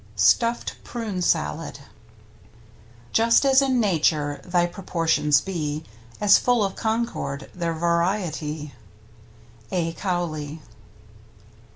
^ m [jig / ===¥1 13 STUFFED PRUNE SALAD Just, as in nature, thy proportions be. As full of concord their variety. — A. Cowley.